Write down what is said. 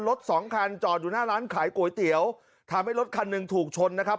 รถสองคันจอดอยู่หน้าร้านขายก๋วยเตี๋ยวทำให้รถคันหนึ่งถูกชนนะครับ